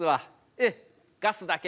ええ、ガスだけ。